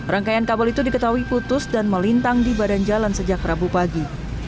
rangkaian kabel itu diketahui putus dan melintang di badan jalan sejak rabu pagi